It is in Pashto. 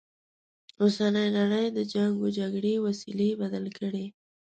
اوسنۍ نړی د جنګ و جګړې وسیلې بدل کړي.